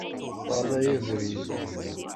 Ṭṭalay abrid.